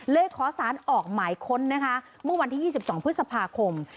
เลยขอสารออกหมายค้นนะคะเมื่อวันที่๒๒พฤษภาคม